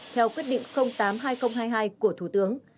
theo quyết định tám hai nghìn hai mươi hai của thủ tướng